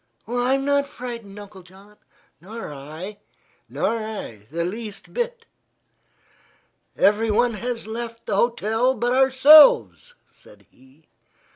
"I'm not frightened, Uncle John." "Nor I." "Nor I, the least bit." "Everyone has left the hotel but ourselves," said he.